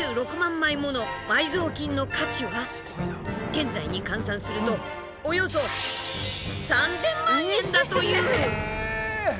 枚もの埋蔵金の価値は現在に換算するとおよそ３，０００万円だという。